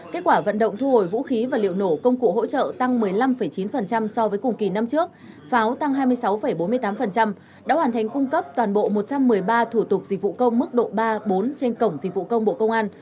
kết quả vận động thu hồi vũ khí và liệu nổ công cụ hỗ trợ tăng một mươi năm chín so với cùng kỳ năm trước pháo tăng hai mươi sáu bốn mươi tám đã hoàn thành cung cấp toàn bộ một trăm một mươi ba thủ tục dịch vụ công mức độ ba bốn trên cổng dịch vụ công bộ công an